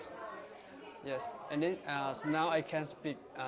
dan sekarang saya bisa berbicara bahasa inggris